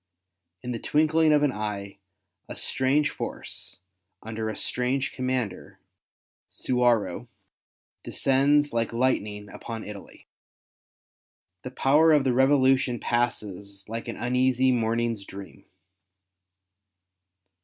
In the twinkling of an eye, a strange force, under a strange commander, Suwarrow, descends like lightning upon Italy. The power of the Revolution passes like an uneasy morning's dream.